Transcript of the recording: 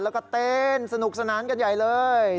แล้วก็เต้นสนุกสนานกันใหญ่เลย